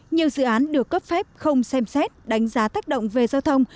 nhiều dự án được cấp phép không xem xét đánh giá tác động về giao thông